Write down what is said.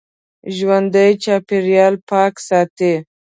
ژوندي چاپېریال پاک ساتي